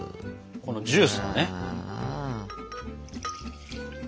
このジュースもね。